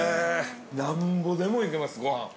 ◆なんぼでもいけます、ご飯。